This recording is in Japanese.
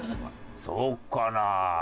そうかな？